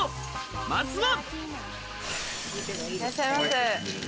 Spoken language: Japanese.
まずは。